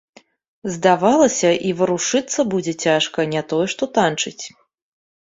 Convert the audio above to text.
Здавалася, і варушыцца будзе цяжка, не тое што танчыць.